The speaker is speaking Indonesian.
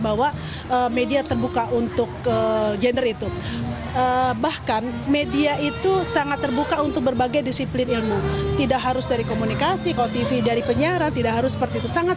jadi bagaimana kita membawa diri kita bisa mencari penyelesaian